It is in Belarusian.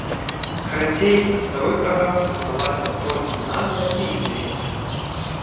Карацей, ад старой праграмы засталася толькі назва і ідэя.